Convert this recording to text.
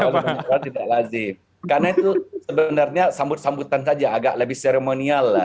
karena itu sebenarnya sambut sambutan saja agak lebih seremonial lah